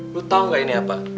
lu tau ga ini apa